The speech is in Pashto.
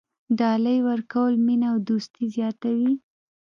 ډالۍ ورکول مینه او دوستي زیاتوي.